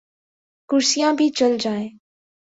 کرسیاں بھی چل جائیں۔